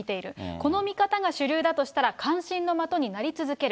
この見方が主流だとしたら、関心の的になり続ける。